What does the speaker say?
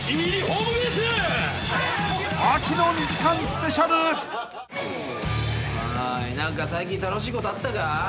おい何か最近楽しいことあったか？